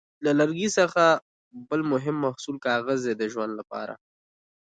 له لرګي څخه جوړ بل مهم محصول کاغذ دی د ژوند لپاره.